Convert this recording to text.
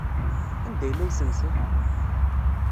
Anda yella usensu?